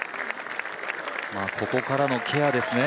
ここからのケアですね。